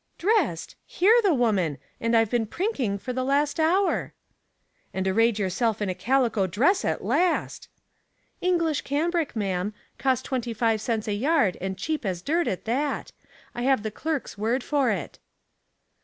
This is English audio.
"Dressed! Hear the woman I and I've been prinking for the last hour." " And arrayed yourself in a calico dress at last!" " English cambric, ma'am ; cost twenty five cents a yard, and cheap as dirt at that. I have the clerk's word for it."